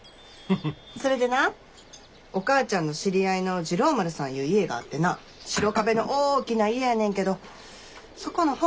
それでなお母ちゃんの知り合いの治郎丸さんいう家があってな白壁の大きな家やねんけどそこの法事に出たってほしいねん。